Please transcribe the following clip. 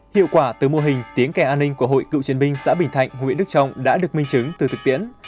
hiệu quả từ mô hình tiếng kè an ninh của hội cựu chiến binh xã bình thạnh huyện đức trọng đã được minh chứng từ thực tiễn